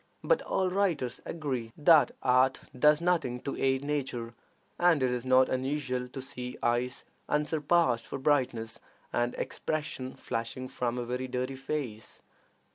But all writers agree that art does nothing to aid nature, and it is not unusual to see eyes unsurpassed for brightness and expression flashing from a very dirty face.